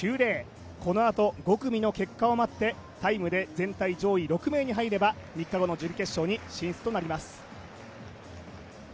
このあと、５組の結果を待ってタイムで全体上位６名に入れば３日後の準決勝に進出となります。